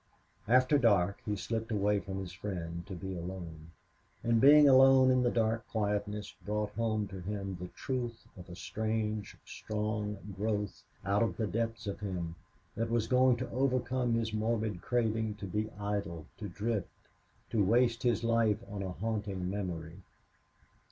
After dark he slipped away from his friend to be alone. And being alone in the dark quietness brought home to him the truth of a strange, strong growth, out of the depths of him, that was going to overcome his morbid craving to be idle, to drift, to waste his life on a haunting memory.